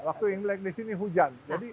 waktu imlek di sini hujan